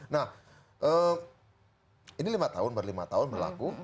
nah ini berlima tahun berlaku